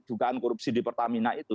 dugaan korupsi di pertamina itu